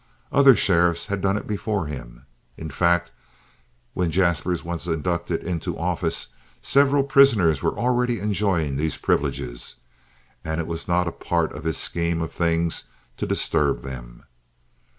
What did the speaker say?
Other sheriffs had done it before him. In fact, when Jaspers was inducted into office, several prisoners were already enjoying these privileges, and it was not a part of his scheme of things to disturb them.